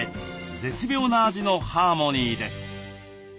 絶妙な味のハーモニーです。